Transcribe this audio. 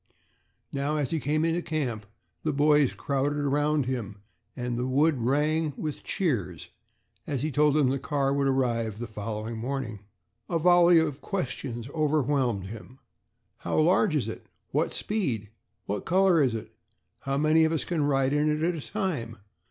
Now, as he came into camp, the boys crowded around him and the wood rang with cheers as he told them that the car would arrive the following morning. A volley of questions overwhelmed him: "How large is it?" "What speed?" "What color is it?" "How many of us can ride in it at a time?"